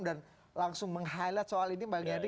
dan langsung meng highlight soal ini bang yadir